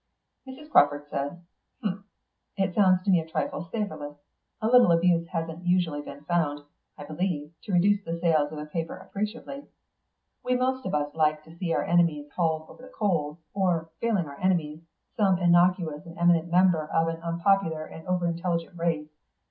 Mrs. Crawford said, "Humph. It sounds to me a trifle savourless. A little abuse hasn't usually been found, I believe, to reduce the sales of a paper appreciably. We most of us like to see our enemies hauled over the coals; or, failing our enemies, some innocuous and eminent member of an unpopular and over intelligent race.